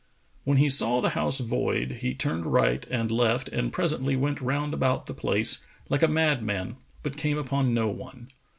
When he saw the house void, he turned right and left and presently went round about the place, like a madman, but came upon no one.